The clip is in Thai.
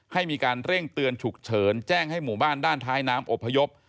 ให้มีการเร่งเตือนฉุกเฉินแจ้งให้หมู่บ้านด้านท้ายน้ำอบพยพ